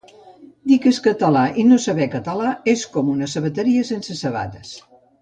dir que és català i no saber català és com una sabateria sense sabates